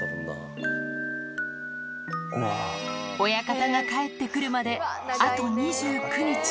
親方が帰ってくるまであと２９日。